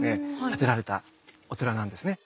建てられたお寺なんですね。